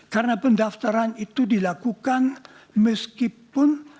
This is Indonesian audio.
karena pendaftaran itu dilakukan meskipun